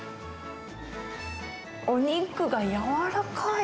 お肉がやわらかい。